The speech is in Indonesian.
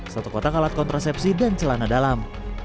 satu kotak alat kontrasepsi dan celana dalam